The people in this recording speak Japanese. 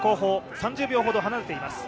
３０秒ほど離れています。